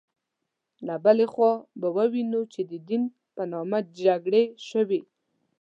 له بلې خوا به ووینو چې د دین په نامه جګړې شوې.